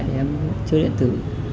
để em chơi điện tử